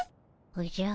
おじゃ。